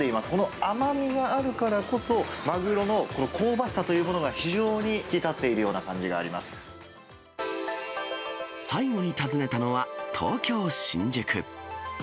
この甘みがあるからこそ、マグロの香ばしさというものが非常に引き立っているような感じが最後に訪ねたのは、東京・新宿。